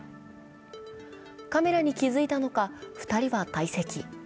カメラに気付いたのか、２人は退席。